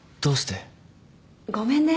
ごめんね。